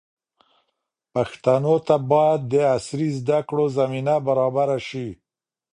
پښتنو ته باید د عصري زده کړو زمینه برابره شي.